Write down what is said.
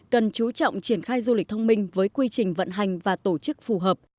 cần chú trọng triển khai du lịch thông minh với quy trình vận hành và tổ chức phù hợp